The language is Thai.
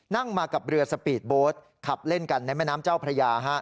นั่งมากับเรือสปีดโบสต์ขับเล่นกันในแม่น้ำเจ้าพระยา